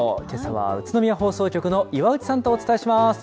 けさは宇都宮放送局の岩内さんとお伝えします。